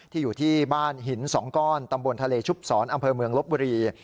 อยู่ที่บ้านหินสองก้อนตำบลทะเลชุบศรอำเภอเมืองลบบุรี